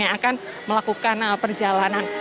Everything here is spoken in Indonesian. yang akan melakukan perjalanan